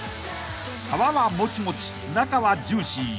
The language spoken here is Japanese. ［皮はもちもち中はジューシー］